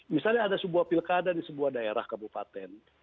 misalnya ada sebuah pilkada di sebuah daerah kabupaten